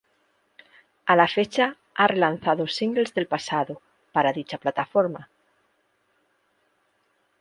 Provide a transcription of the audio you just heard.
A la fecha ha relanzado "singles" del pasado, para dicha plataforma.